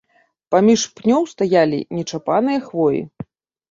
Паміж пнёў стаялі нечапаныя хвоі.